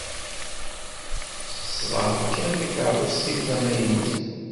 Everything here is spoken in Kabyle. Xezzeṛ kan takeṛṛust-iw tamaynut.